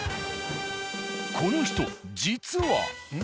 この人実は。